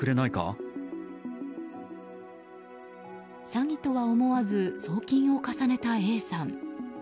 詐欺とは思わず送金を重ねたＡさん。